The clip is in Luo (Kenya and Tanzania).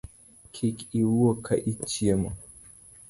Kik iwuo ka ichiemo